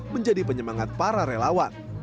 menjadi penyemangat para relawan